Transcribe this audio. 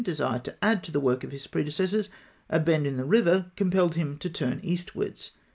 desired to add to the work of his predecessors, a bend in the river compelled him to turn eastwards.